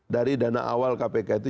dari dana awal kpk itu